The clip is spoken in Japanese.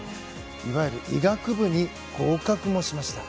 いわゆる医学部に合格もしました。